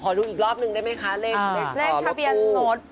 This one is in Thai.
ดูอีกรอบนึงได้ไหมคะเลขทะเบียนรถ